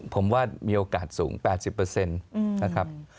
ผมว่ามีโอกาสสูง๘๐นะครับ